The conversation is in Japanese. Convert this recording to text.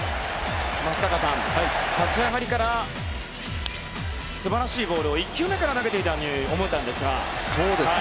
松坂さん、立ち上がりから素晴らしいボールを１球目から投げていたように思いますが。